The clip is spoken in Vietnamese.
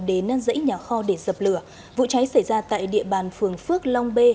đến năn dãy nhà kho để dập lửa vụ cháy xảy ra tại địa bàn phường phước long b